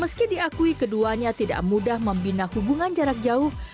meski diakui keduanya tidak mudah membina hubungan jarak jauh